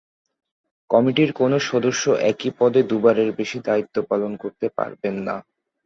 কমিটির কোনো সদস্য একই পদে দুবারের বেশি দায়িত্ব পালন করতে পারবেন না।